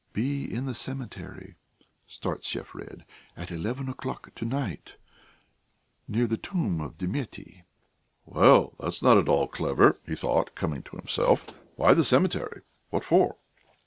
"Be in the cemetery," Startsev read, "at eleven o'clock to night, near the tomb of Demetti." "Well, that's not at all clever," he thought, coming to himself. "Why the cemetery? What for?"